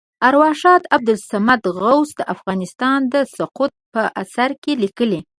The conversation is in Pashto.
ارواښاد عبدالصمد غوث د افغانستان د سقوط په اثر کې لیکلي.